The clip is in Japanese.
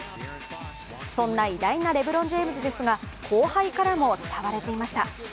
そんな偉大なレブロン・ジェームズですが、後輩からも慕われていました。